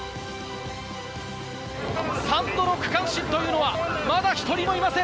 ３度の区間新というのは、まだ１人もいません。